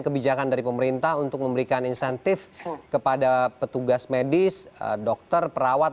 kebijakan dari pemerintah untuk memberikan insentif kepada petugas medis dokter perawat